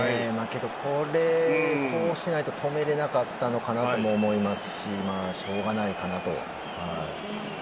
これをこうしないと止められなかったのかなとも思いますししょうがないかなと。